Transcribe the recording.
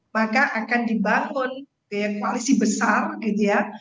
maka akan dibangun gaya koalisi besar gitu ya